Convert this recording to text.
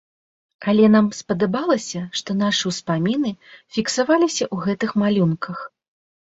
Але нам спадабалася, што нашы ўспаміны фіксаваліся ў гэтых малюнках.